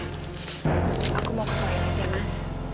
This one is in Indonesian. ya udah aku mau ke rumah ya ya mas